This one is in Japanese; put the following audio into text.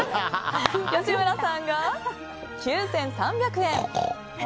吉村さんが９３００円。